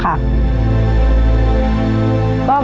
ค่าพลังตกระจก